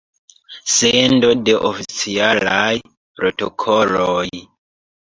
Sendo de oficialaj protokoloj.